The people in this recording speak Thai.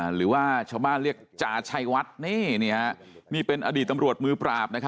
หรือว่าชาวบ้านเรียกจ่าชัยวัดนี่เป็นอดีตตำรวจมือปราบ